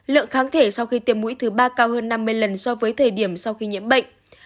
lượng kháng thể sau khi tiêm mũi thứ ba cao hơn năm mươi lần so với thời điểm sau khi nhiễm bệnh